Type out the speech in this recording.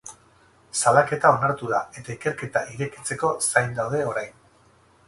Salaketa onartu da, eta ikerketa irekitzeko zain daude orain.